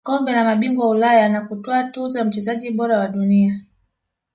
kombe la mabingwa Ulaya na kutwaa tuzo ya mchezaji bora wa dunia